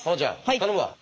頼むわ。